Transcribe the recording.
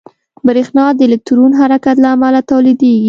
برېښنا د الکترون حرکت له امله تولیدېږي.